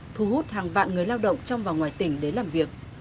thu hút hàng vạn người lao động trong và ngoài tỉnh đến làm việc